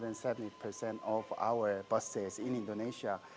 dari perjualan bus kami di indonesia